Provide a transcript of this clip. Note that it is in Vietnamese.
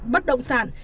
bất động sản